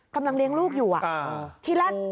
กำลังเลี้ยงลูกอยู่อะ